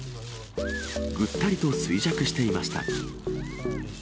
ぐったりと衰弱していました。